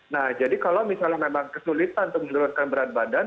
nah jadi kalau misalnya memang kesulitan untuk menurunkan berat badan